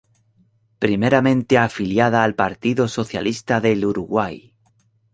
Primeramente afiliada al Partido Socialista del Uruguay.